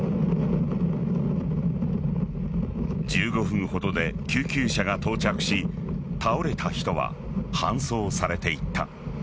１５分ほどで救急車が到着し倒れた人は搬送されていった。